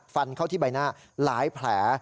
ฟันเข้าที่ใบหน้าหลายแผล